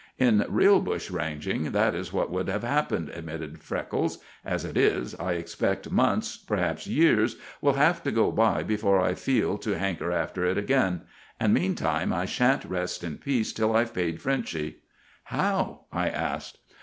"In real bushranging that is what would have happened," admitted Freckles. "As it is, I expect months, perhaps years, will have to go by before I feel to hanker after it again. And meantime I sha'n't rest in peace till I've paid Frenchy." "How?" I asked.